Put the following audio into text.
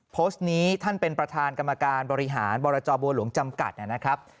โพสต์นี้ท่านเป็นประธานกรรมการบริหารบรจบัวหลวงจำกัดนะครับ